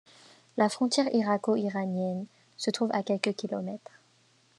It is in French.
La frontière irako-iranienne se trouve à quelques kilomètres.